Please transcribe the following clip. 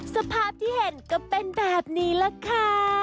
สภาพที่เห็นก็เป็นแบบนี้แหละค่ะ